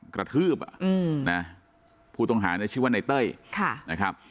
กระทืบอ่ะนะผู้ต้องหาเนี่ยชื่อว่าในเต้ยนะครับ